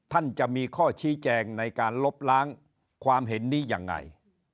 ท่านจะมีข้อชี้แจงในการลบล้างความเห็นนี้ยังไง